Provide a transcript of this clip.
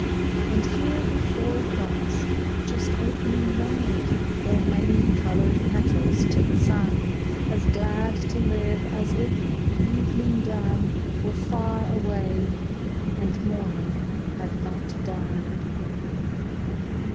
And here be four o'clocks, just opening wide Their many colored petals to the sun, As glad to live as if the evening dun Were far away, and morning had not died